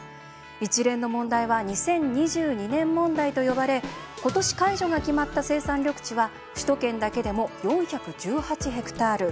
一連の問題は２０２２年問題と呼ばれ、ことし解除が決まった生産緑地は、首都圏だけでも４１８ヘクタール。